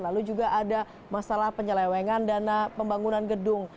lalu juga ada masalah penyelewengan dana pembangunan gedung